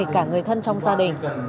cả người thân trong gia đình